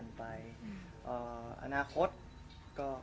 วันนี้ฟล็อกมีอะไรจะบอก